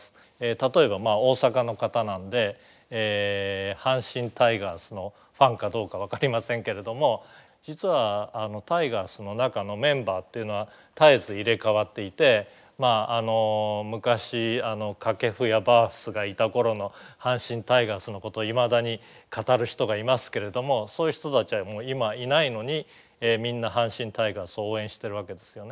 例えば大阪の方なんで阪神タイガースのファンかどうか分かりませんけれども実はタイガースの中のメンバーっていうのは絶えず入れ代わっていて昔掛布やバースがいた頃の阪神タイガースのことをいまだに語る人がいますけれどもそういう人たちはもう今はいないのにみんな阪神タイガースを応援してるわけですよね。